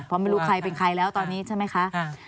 เพราะไม่รู้ใครเป็นใครแล้วตอนนี้ใช่ไหมคะ